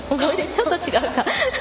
ちょっと違うか。